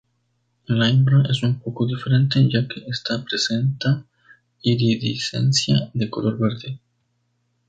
La hembra es un poco diferente ya que esta presenta iridiscencia de color verde.